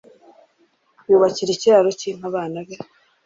yubakira ikiraro cy'inka abana be